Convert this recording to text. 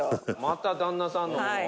「また旦那さんのもの？」